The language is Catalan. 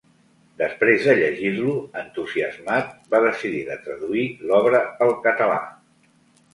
Després de llegir-lo, entusiasmat, va decidir de traduir l'obra al català.